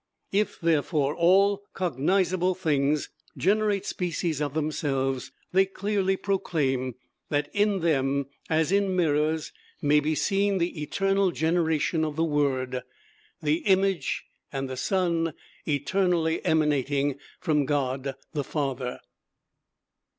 If therefore all cognizable things generate species of themselves, they clearly proclaim that in them, as in mirrors, may be seen the eternal generation of the Word, the Image, and the Son, eternally emanating from God the Father....